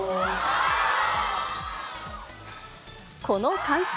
この歓声。